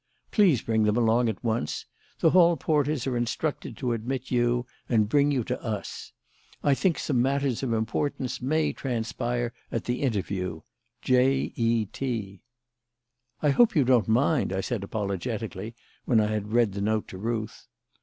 Please bring them along at once. The hall porters are instructed to admit you and bring you to us. I think some matters of importance may transpire at the interview. J.E.T." "I hope you don't mind," I said apologetically, when I had read the note to Ruth.